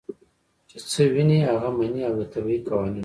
چې څۀ ويني هغه مني او د طبعي قوانینو